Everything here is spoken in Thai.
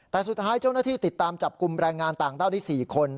แต่สุดท้ายเจ้าหน้าที่ติดตามจับกลุ่มแรงงานต่างด้าวได้๔คน